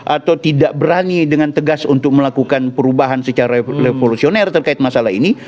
atau tidak berani dengan tegas untuk melakukan perubahan secara revolusioner terkait masalah ini